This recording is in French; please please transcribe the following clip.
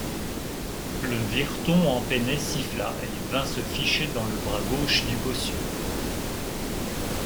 Le vireton empenné siffla et vint se ficher dans le bras gauche du bossu.